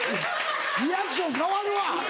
リアクション変わるわ。